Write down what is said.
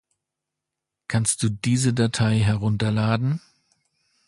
Kannst du diese Datei herunterladen?